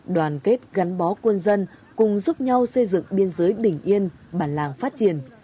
đoàn kết gắn bó quân dân cùng giúp nhau xây dựng biên giới bình yên bản làng phát triển